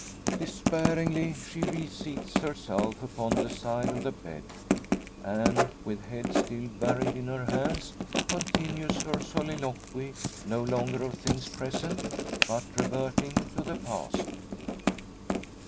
Despairingly she reseats herself upon the side of the bed, and with head still buried in her hands, continues her soliloquy; no longer of things present, but reverting to the past.